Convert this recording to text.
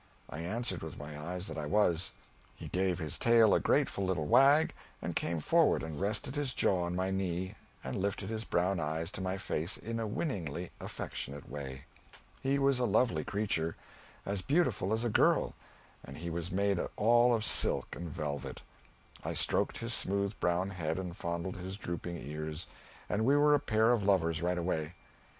I answered, with my eyes, that I was. He gave his tail a grateful little wag and came forward and rested his jaw on my knee and lifted his brown eyes to my face in a winningly affectionate way. He was a lovely creature as beautiful as a girl, and he was made all of silk and velvet. I stroked his smooth brown head and fondled his drooping ears, and we were a pair of lovers right away.